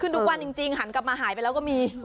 ทุกวันจริงหันกลับมาหายไปแล้วก็มี